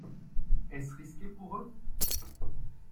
Est-ce risqué pour eux ?